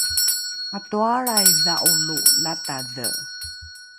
matoalrai dha’olo latadhe